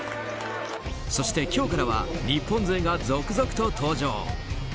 そして今日からは日本勢が続々と登場。